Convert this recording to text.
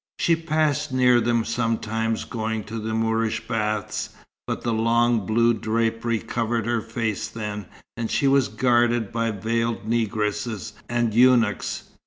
She passed near them sometimes going to the Moorish baths, but the long blue drapery covered her face then, and she was guarded by veiled negresses and eunuchs.